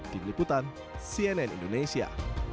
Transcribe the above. dikiputan cnn indonesia